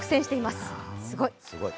すごいっ。